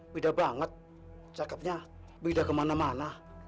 beda banget cakepnya beda kemana mana